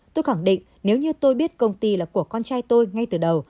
tôi khẳng định nếu như tôi biết công ty là của con trai tôi ngay từ đầu